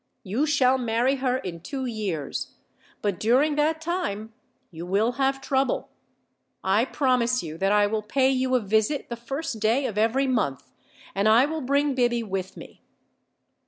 You shall marry her in two years; but during that time you will have trouble. I promise you that I will pay you a visit the first day of every month, and I will bring Biby with me."